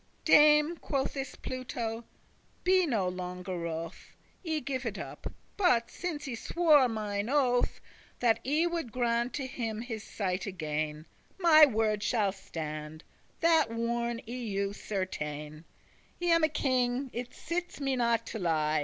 "Dame," quoth this Pluto, "be no longer wroth; I give it up: but, since I swore mine oath That I would grant to him his sight again, My word shall stand, that warn I you certain: I am a king; it sits* me not to lie."